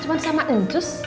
cuman sama enjus